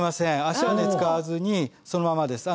足は使わずにそのままです。